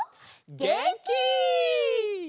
げんき！